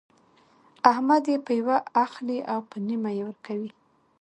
احمد يې په يوه اخلي او په نيمه يې ورکوي.